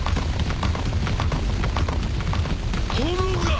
炎が！